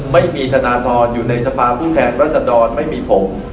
ไม่มีธนาธรรมอยู่ในสภาพุทธแห่งราษฎรไม่มีผม